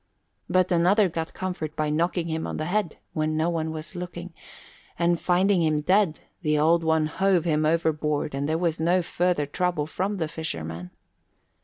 But another got comfort by knocking him on the head when no one was looking; and finding him dead, the Old One hove him over board and there was no further trouble from the fishermen.